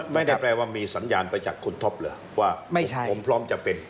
ไม่ได้แปลว่ามีสัญญาณไปจากคุณท็อปเหรอว่าผมพร้อมจะเป็น